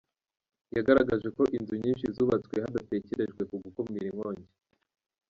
Yagaragaje ko inzu nyinshi zubatswe hadatekerejwe ku gukumira inkongi.